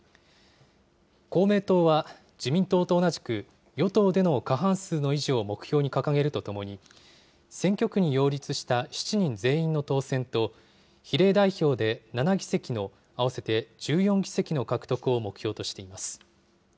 公明党は、自民党と同じく、与党での過半数の維持を目標に掲げるとともに、選挙区に擁立した７人全員の当選と、比例代表で７議席の合わせて１４議席の獲得を目標としています。